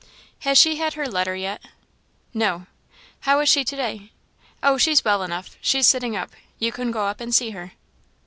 "Has she had her letter yet?" "No." "How is she to day?" "Oh, she's well enough she's sitting up. You can go up and see her."